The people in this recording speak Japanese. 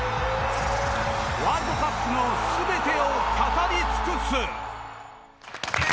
ワールドカップの全てを語り尽くす！